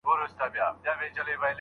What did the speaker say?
د بادار په حلواګانو وي خوشاله